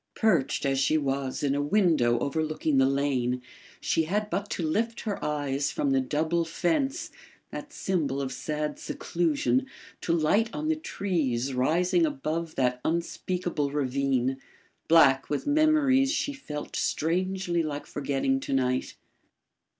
Perched, as she was, in a window overlooking the lane, she had but to lift her eyes from the double fence (that symbol of sad seclusion) to light on the trees rising above that unspeakable ravine, black with memories she felt strangely like forgetting to night.